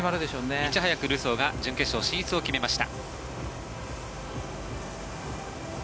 いち早くルソーが準決勝進出を決めました。